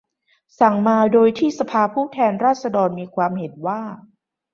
สั่งว่า โดยที่สภาผู้แทนราษฎรมีความเห็นว่า